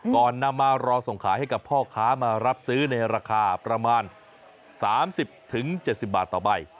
ก่อนนำมารอส่งขายให้กับพ่อค้ามารับซื้อในราคาประมาณ๓๐๗๐บาทต่อใบ